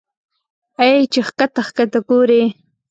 اې چې ښکته ښکته ګورې